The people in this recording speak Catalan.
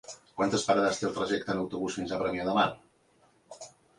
Quantes parades té el trajecte en autobús fins a Premià de Mar?